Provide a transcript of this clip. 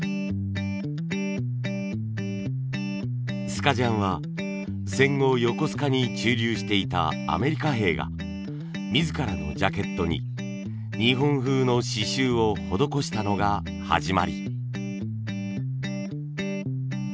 スカジャンは戦後横須賀に駐留していたアメリカ兵が自らのジャケットに日本風の刺繍を施したのが始まり。